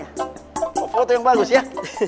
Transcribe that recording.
oh foto yang bagus ya